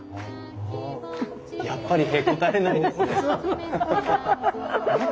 やっぱりへこたれないんですね！